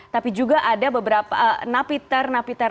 tapi juga ada beberapa napiter napiter